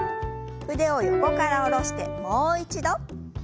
腕を横から下ろしてもう一度。